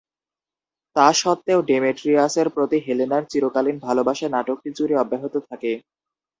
তা সত্ত্বেও, ডেমেট্রিয়াসের প্রতি হেলেনার চিরকালীন ভালবাসা নাটকটি জুড়ে অব্যাহত থাকে।